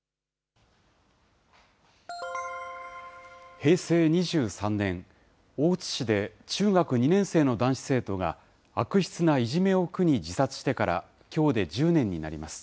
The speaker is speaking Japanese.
平成２３年、大津市で中学２年生の男子生徒が、悪質ないじめを苦に自殺してから、きょうで１０年になります。